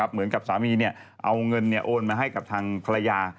เหมือนกับสามีเอาเงินโอนมาให้กับทางภรรยา